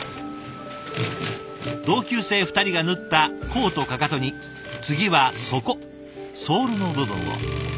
同級生２人が縫った甲とかかとに次は底ソールの部分を。